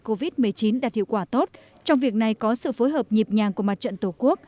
covid một mươi chín đạt hiệu quả tốt trong việc này có sự phối hợp nhịp nhàng của mặt trận tổ quốc